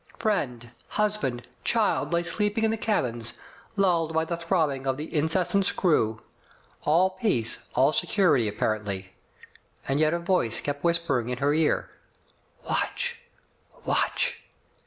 Friend, husband, child lay sleeping in the cabins, lulled by the throbbing of the incessant screw. All peace, all security apparently. And yet a voice kept whispering in her ear, "Watch, watch!